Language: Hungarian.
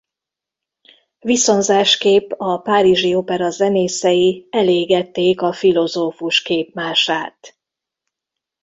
Viszonzásképp a párizsi opera zenészei elégették a filozófus képmását.